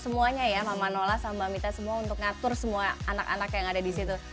mbak manola dan mbak mita semua untuk ngatur semua anak anak yang ada disitu